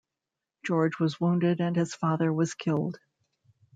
George was wounded and his father was killed.